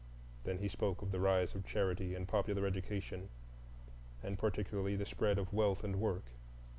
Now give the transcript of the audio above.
Then he spoke of the rise of charity and popular education, and particularly of the spread of wealth and work.